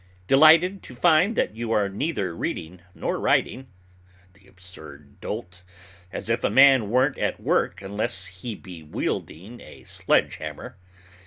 Delighted to find that you are neither reading nor writing, the absurd dolt! as if a man weren't at work unless he be wielding a sledge hammer!